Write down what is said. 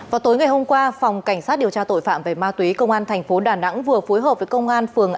vào tối ngày hôm qua phòng cảnh sát điều tra tội phạm về ma túy công an tp hcm vừa phối hợp với công an phường